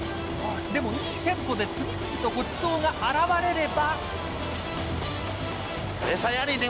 でもいいテンポで次々とごちそうが現れれば。